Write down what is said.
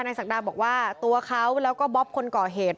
ศักดาบอกว่าตัวเขาแล้วก็บ๊อบคนก่อเหตุ